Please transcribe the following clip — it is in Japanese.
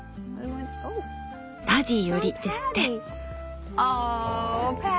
「パディより」ですって。